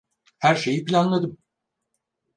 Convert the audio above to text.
Her şeyi planladım.